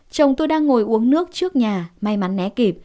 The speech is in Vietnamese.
chồng tôi đang ngồi uống nước trước nhà may mắn né kịp